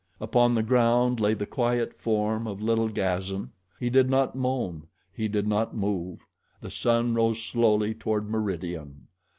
Upon the ground lay the quiet form of little Gazan. He did not moan. He did not move. The sun rose slowly toward meridian.